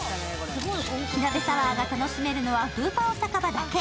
火鍋サワーが楽しめるのは福包酒場だけ。